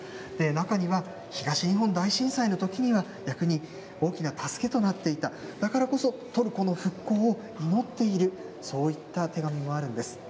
中には、東日本大震災のときには、逆に大きな助けとなっていた、だからこそ、トルコの復興を祈っている、そういった手紙もあるんです。